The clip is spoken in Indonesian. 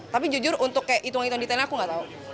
tapi jujur untuk itung itung detailnya aku nggak tahu